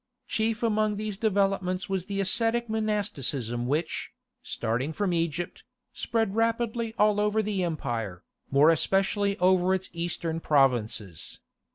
Chief among these developments was the ascetic monasticism which, starting from Egypt, spread rapidly all over the empire, more especially over its eastern provinces.